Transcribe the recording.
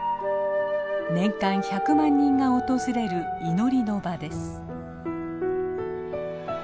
年間１００万人が訪れる祈りの場です。